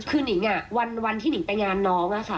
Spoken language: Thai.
คือนิงวันที่หนิงไปงานน้องอะค่ะ